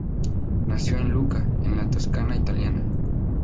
Nació en Lucca, en la Toscana italiana.